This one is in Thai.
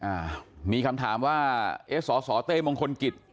อ่ามีคำถามว่าเอ๊ะสสเต้มงคลกิจ